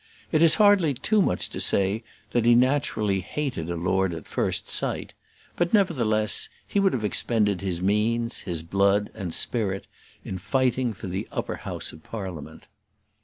It is hardly too much to say that he naturally hated a lord at first sight; but, nevertheless, he would have expended his means, his blood, and spirit, in fighting for the upper house of Parliament.